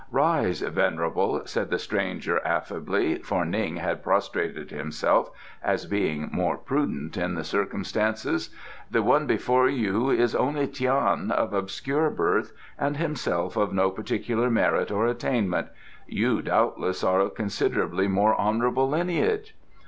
"Rise, venerable," said the stranger affably, for Ning had prostrated himself as being more prudent in the circumstances. "The one before you is only Tian, of obscure birth, and himself of no particular merit or attainment. You, doubtless, are of considerably more honourable lineage?"